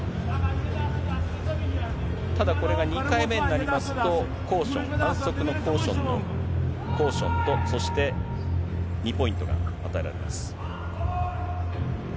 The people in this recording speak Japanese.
ただ、これが２回目になりますと、コーション、反則のコーションとそして２ポイントが与えられます。